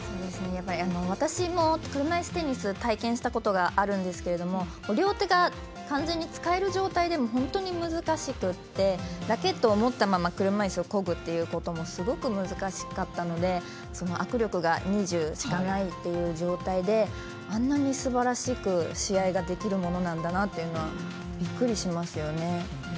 私も車いすテニス体験したことがあるんですけども両手が完全に使える状態でも本当に難しくてラケットを持ったまま車いすをこぐということもすごく難しかったので握力が２０しかないという状態であんなにすばらしく試合ができるものなんだなというのはびっくりしますよね。